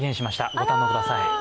ご堪能ください。